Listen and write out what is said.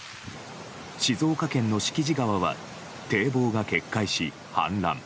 静岡県の敷地川は堤防が決壊し氾濫。